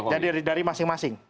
jadi dari masing masing